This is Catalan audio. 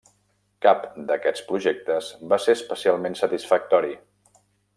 Cap d'aquests projectes va ser especialment satisfactori.